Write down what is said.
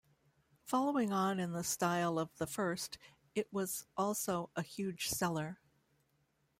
Following on in the style of the first, it was also a huge seller.